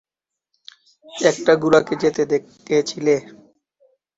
একটা ঘোড়াকে যেতে দেখেছিলে?